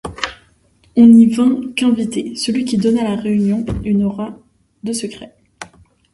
On n'y vint qu'invité, ce qui donna à la réunion une aura de secret.